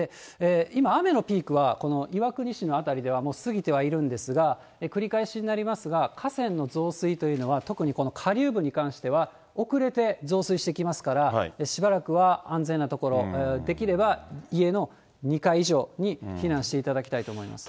今、雨のピークは、この岩国市の辺りでは、もう過ぎてはいるんですが、繰り返しになりますが、河川の増水というのは、特にこの下流部に関しては、遅れて増水してきますから、しばらくは安全な所、できれば家の２階以上に避難していただきたいと思います。